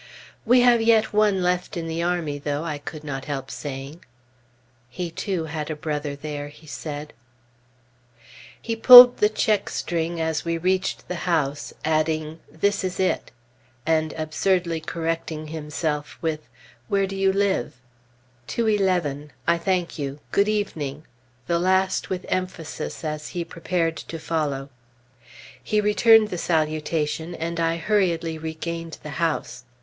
"We have yet one left in the army, though," I could not help saying. He, too, had a brother there, he said. A cousin of Mrs. Lincoln. He pulled the check string as we reached the house, adding, "This is it," and absurdly correcting himself with "Where do you live?" "211. I thank you. Good evening"; the last with emphasis as he prepared to follow. He returned the salutation, and I hurriedly regained the house.